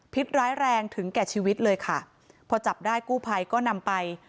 ร้ายแรงถึงแก่ชีวิตเลยค่ะพอจับได้กู้ภัยก็นำไป